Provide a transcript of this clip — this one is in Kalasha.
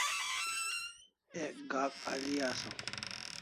Ek gak al'i asaw